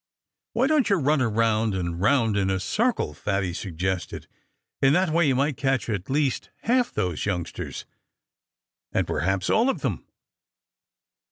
"Why don't you run round and round in a circle?" Fatty suggested. "In that way you might catch at least half those youngsters and perhaps all of them."